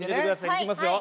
いきますよ。